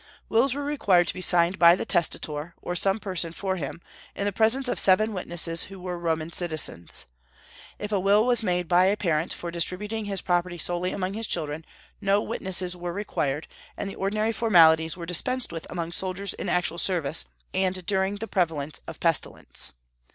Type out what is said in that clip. Wills were required to be signed by the testator, or some person for him, in the presence of seven witnesses who were Roman citizens. If a will was made by a parent for distributing his property solely among his children, no witnesses were required; and the ordinary formalities were dispensed with among soldiers in actual service, and during the prevalence of pestilence.